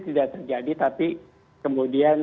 tidak terjadi tapi kemudian